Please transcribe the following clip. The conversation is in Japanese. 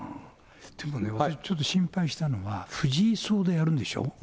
でもね、ちょっと心配したのは、藤井荘でやるんでしょ。